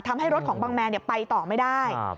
ทำให้รถของบังแมนไปต่อไม่ได้